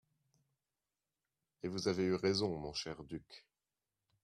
Et vous avez eu raison, mon cher duc.